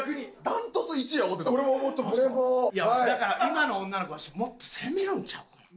今の女の子はもっと攻めるんちゃうかな。